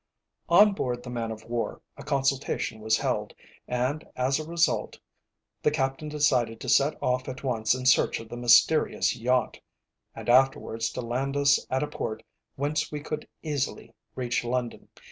On board the man of war a consultation was held, and as a result the captain decided to set off at once in search of the mysterious yacht, and afterwards to land us at a port whence we could easily reach London.